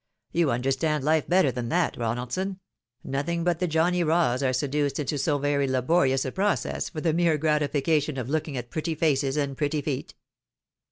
You understand life better than that, Ronaldson ; nothing but the Johnny Raws are seduced into so very laborious a process for the mere gratification of looking at pretty faces, and pretty feet."